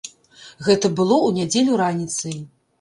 Гэта было ў нядзелю раніцай.